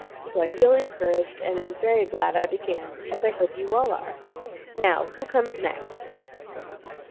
So I feel encouraged and am very glad I began, as I hope you all are. Now, who comes next?"